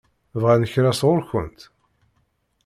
Bɣan kra sɣur-kent?